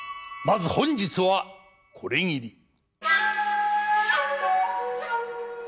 まず本日はこれぎり。